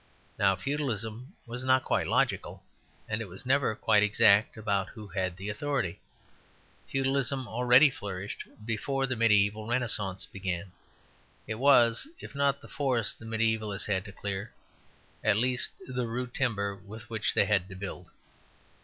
Now Feudalism was not quite logical, and was never quite exact about who had the authority. Feudalism already flourished before the mediæval renascence began. It was, if not the forest the mediævals had to clear, at least the rude timber with which they had to build.